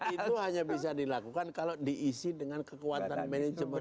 itu hanya bisa dilakukan kalau diisi dengan kekuatan manajemen